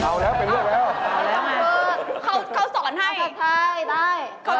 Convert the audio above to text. ใช่ทำไมผู้ภาษาอังกฤษ